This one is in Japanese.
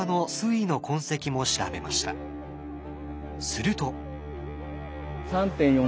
すると。